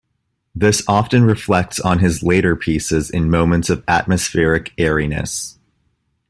This often reflects on his later pieces in moments of atmospheric airiness.